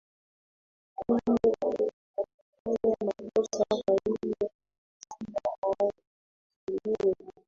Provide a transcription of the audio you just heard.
kwani hakufanya makosa kwa hiyo ni lazima aachiliwe